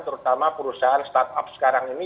terutama perusahaan startup sekarang ini